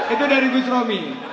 itu dari gus romi